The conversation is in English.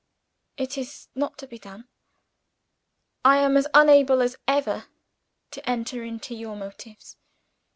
It is not to be done. I am as unable as ever to enter into your motives.